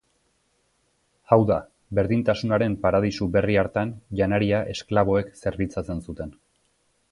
Hau da, berdintasunaren paradisu berri hartan janaria esklaboek zerbitzatzen zuten.